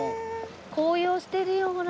紅葉してるよほら。